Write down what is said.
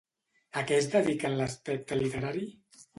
A què es dedica en l'aspecte literari?